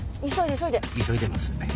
急いでます。